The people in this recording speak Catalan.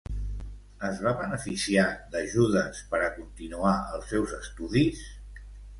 Es va beneficiar d'ajudes per a continuar els seus estudis?